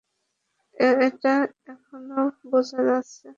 সেটা এখনো বোঝা যাচ্ছে।